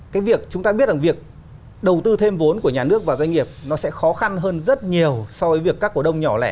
cái việc chúng ta biết rằng việc đầu tư thêm vốn của nhà nước vào doanh nghiệp nó sẽ khó khăn hơn rất nhiều so với việc các cổ đông nhỏ lẻ